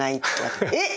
「えっ！？」。